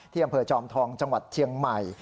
อำเภอจอมทองจังหวัดเชียงใหม่